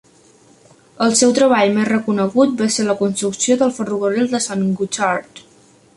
El seu treball més reconegut va ser la construcció del ferrocarril de Sant Gotard.